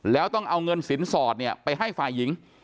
แล้วต้องเอาเงินสินสอดเนี่ยไปให้ฝ่ายหญิง